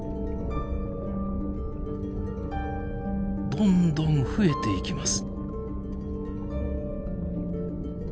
どんどん増えていきます。